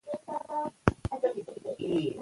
کلیوالي ژوند په کرنه او څاروي ساتنه پورې اړه لري.